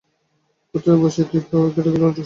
কোথায় বসাই, কী খাওয়াই করে কেটে গেল অনেকটা সময়।